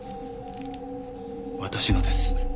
私のです。